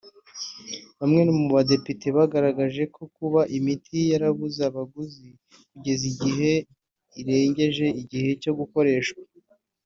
Bamwe mu Badepite bagaragaje ko kuba imiti yarabuze abaguzi kugeza igihe irengeje igihe cyo gukoreshwa